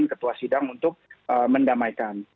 satu satu persidangan untuk mendamaikan